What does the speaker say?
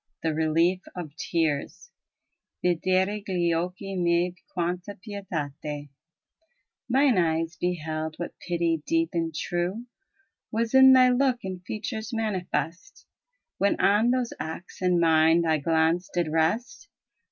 THE RELIEF OF TEARS yidero gli occht miei quanta pietate Mine eyes beheld what pity deep and true Was in thy look and features manifest, When on those acts and mien thy glance did rest.